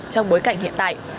trong bối cảnh hiện tại